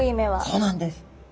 そうなんです。